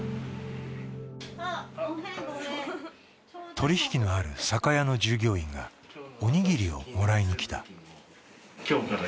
取り引きのある酒屋の従業員がお握りをもらいに来た。